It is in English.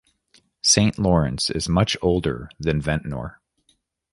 Saint Lawrence is much older than Ventnor.